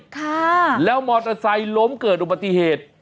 ค่ะแล้วมอเตอร์ไซค์ล้มเกิดอุบัติเหตุ